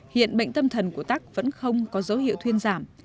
hiện bệnh tâm thần của tắc vẫn không có dấu hiệu thuyên giảm